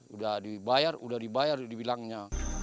udah dibayar udah dibayar dibilangnya